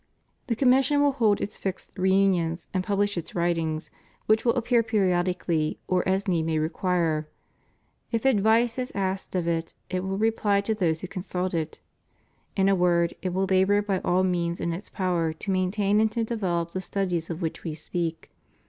The commission will hold its fixed reunions and pub lish its writings, which will appear periodically or as need may require. If advice is asked of it, it will reply to those who consult it. In a word, it will labor by all means in its power to maintain and to develop the studies of which We speak.